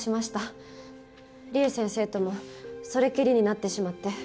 りえ先生ともそれっきりになってしまって。